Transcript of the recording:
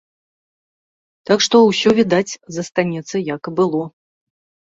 Так што, усе, відаць, застанецца як і было.